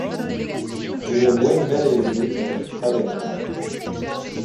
Il est moins malaisé d’être honnête homme.